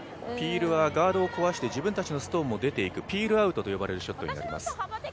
ピールはガードを壊して自分たちのストーンも出ていく、ピールアウトと呼ばれるショットになります。